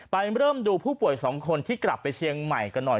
เริ่มดูผู้ป่วย๒คนที่กลับไปเชียงใหม่กันหน่อย